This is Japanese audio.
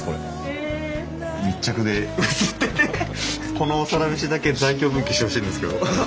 この「サラメシ」だけ在京分岐してほしいんですけど。